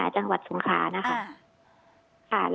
จังหวัดสงครานะคะ